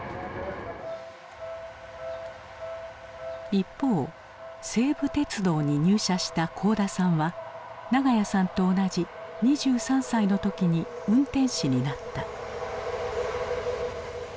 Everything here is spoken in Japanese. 一方西武鉄道に入社した幸田さんは長屋さんと同じ２３歳の時に運転士になった。